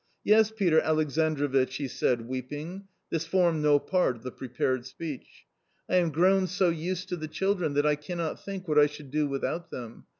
"Yes, Peter Alexandrovitch," he said, weeping (this formed no part of the prepared speech), "I am grown so used to the children that I cannot think what I should do without them.